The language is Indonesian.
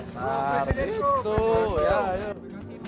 presiden itu ya yuk